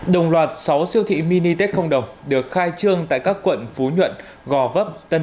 đồng loạt sáu siêu thị mini tết không đồng được khai trương tại các quận phú nhuận gò vấp tân